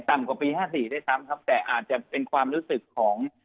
กว่าปีห้าสี่ด้วยซ้ำครับแต่อาจจะเป็นความรู้สึกของ